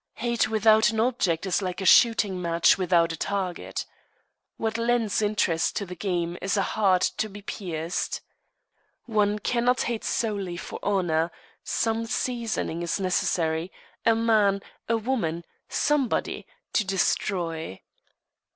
Hate without an object is like a shooting match without a target. What lends interest to the game is a heart to be pierced. One cannot hate solely for honour; some seasoning is necessary a man, a woman, somebody, to destroy.